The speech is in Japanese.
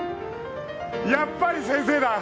やっぱり先生だ！